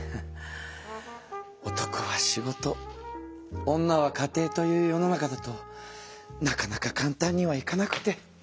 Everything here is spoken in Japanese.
男は仕事女は家庭という世の中だとなかなかかんたんにはいかなくて。